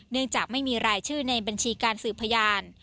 จากไม่มีรายชื่อในบัญชีการสืบพยาน